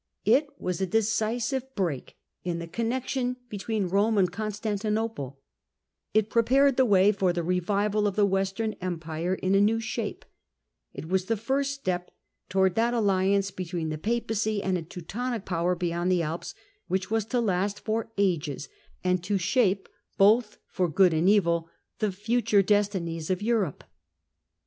ItJSLas a decisive break in the connexion between Rome and Constantinople ; it prepared the way for the revival of the Western Empire in a new shape, it was the first step towards that alliance between the Papacy and a Teutonic power beyond the Alps which was to last for ages, and to shape both for good and evil the future destinies of Europe.